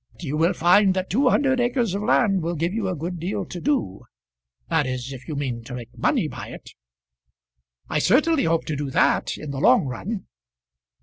"You will find that two hundred acres of land will give you a good deal to do; that is if you mean to make money by it." "I certainly hope to do that, in the long run."